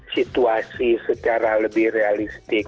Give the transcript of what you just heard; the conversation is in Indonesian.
situasi secara lebih realistik